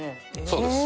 そうです。